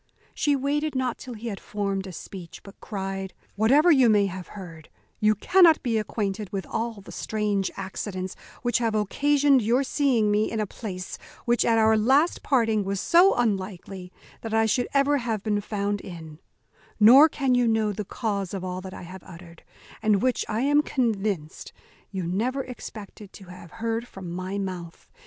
She waited not till he had formed a speech; but cried, "Whatever you may have heard, you cannot be acquainted with all the strange accidents which have occasioned your seeing me in a place which at our last parting was so unlikely that I should ever have been found in; nor can you know the cause of all that I have uttered, and which, I am convinced, you never expected to have heard from my mouth.